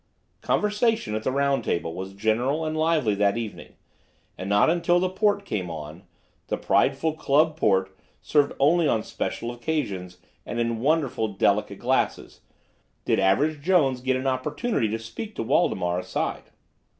Conversation at the round table was general and lively that evening, and not until the port came on—the prideful club port, served only on special occasions and in wonderful, delicate glasses—did Average Jones get an opportunity to speak to Waldemar aside.